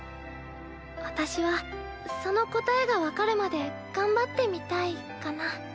私はその答えが分かるまで頑張ってみたいかな。